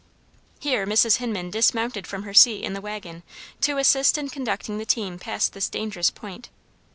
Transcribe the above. Here Mrs. Hinman dismounted from her seat in the wagon to assist in conducting the team past this dangerous point.